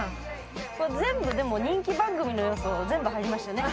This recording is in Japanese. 全部でも人気番組の要素全部入りましたね。